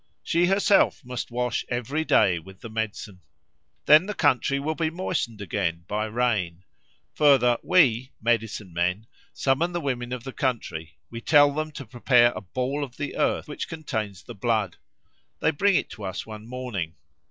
She herself must wash every day with the medicine. Then the country will be moistened again (by rain). Further, we (medicine men), summon the women of the country; we tell them to prepare a ball of the earth which contains the blood. They bring it to us one morning.